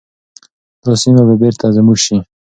دا سیمي به بیرته زموږ شي.